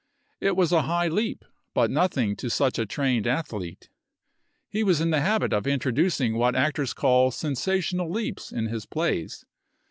It was a high leap, but nothing to such a trained athlete. He was in the habit of introducing what actors call sensational leaps in his plays.